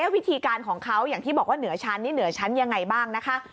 วิธีการของเขาอย่างที่บอกว่าเหนือชั้นนี่เหนือชั้นยังไงบ้างนะคะ